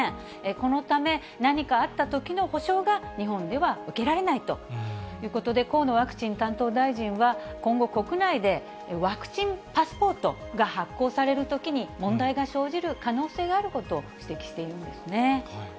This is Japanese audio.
このため、何かあったときの補償が日本では受けられないということで、河野ワクチン担当大臣は、今後、国内でワクチンパスポートが発行されるときに、問題が生じる可能性があることを指摘しているんですね。